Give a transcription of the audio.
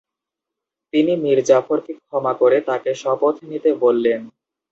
তিনি মীরজাফরকে ক্ষমা করে তাকে শপথ নিতে বললেন।